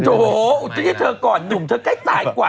โอ้โหอุทิศจริงเธอก่อนหนุ่มเธอก็ใกล้ตายกว่า